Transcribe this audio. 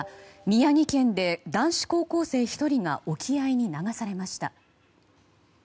宮城県で男子高校生１人が沖合に流されました。